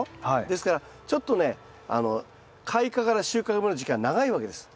ですからちょっとね開花から収穫までの時間長いわけです。